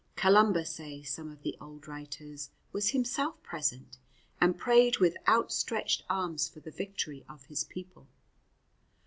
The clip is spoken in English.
Columba, say some of the old writers, was himself present, and prayed with outstretched arms for the victory of his people.